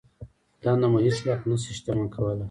دنده مو هېڅ وخت نه شي شتمن کولای.